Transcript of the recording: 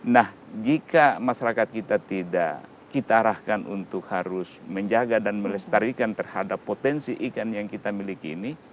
nah jika masyarakat kita tidak kita arahkan untuk harus menjaga dan melestarikan terhadap potensi ikan yang kita miliki ini